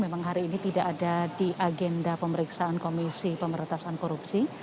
memang hari ini tidak ada di agenda pemeriksaan komisi pemerintahan korupsi